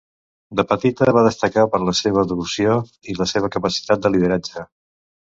De petita va destacar per la seva devoció i la seva capacitat de lideratge.